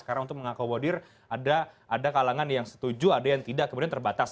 karena untuk mengakau wadir ada kalangan yang setuju ada yang tidak kemudian terbatas